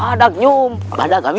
saya sudah berada di tempat yang sama